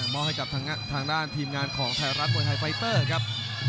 มอบให้กับทางด้านทีมงานของไทยรัฐมวยไทยไฟเตอร์ครับ